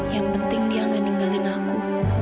yang penting dia gak ninggalin aku